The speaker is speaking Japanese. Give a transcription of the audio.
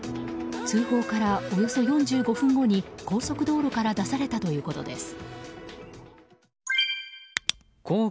通報からおよそ４５分後に高速道路から出されたということです。